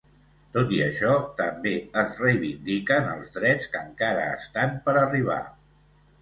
Tot i això, també es reivindiquen els drets que encara estan per arribar.